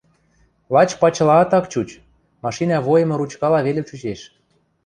лач пачлаат ак чуч, машина войымы ручкала веле чучеш.